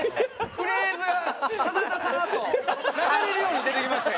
フレーズがササササッと流れるように出てきましたよ